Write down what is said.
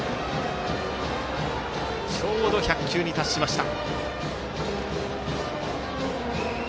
ちょうど１００球に達しました。